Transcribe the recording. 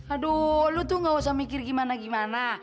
aduh lo tuh ga usah mikir gimana gimana